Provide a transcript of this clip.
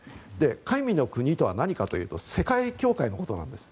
神の国とは何かというと世界教会のことなんです。